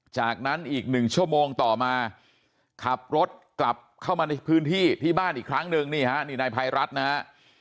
จากนั้นอีก๑ชั่วโมงต่อมาขับรถกลับเข้ามาในพื้นที่ที่บ้านอีกครั้งหนึ่งนี่ฮะนี่นายภัยรัฐนะฮะ